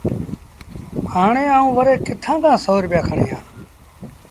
هآڻي آئوݩ وري ڪٿآݩ کآݩ سو روپيآ کڻيٚ آݩ